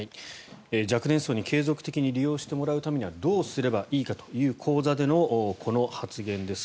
若年層に継続的に利用してもらうためにはどうすればいいかという講座でのこの発言です。